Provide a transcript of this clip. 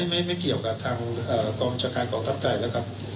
แต่ไม่เกี่ยวกับทางกองชาคารกองทัพไก่แล้วครับ